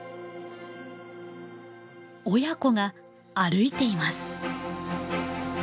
親子が歩いています。